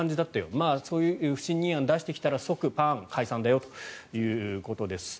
まあ、そういう不信任案出してきたら即パーン解散だよということです。